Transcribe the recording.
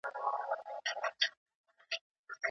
د شيانو د نومونو زده کول د پوهې پيل و.